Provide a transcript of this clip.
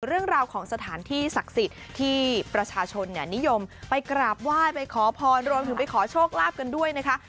เรื่องราวของสถานที่ศักดิ์สิทธิ์ที่ประชาชนนิยมไปกราบไหว้ไปขอพรรวมถึงไปขอโชคลาภกันด้วยนะคะ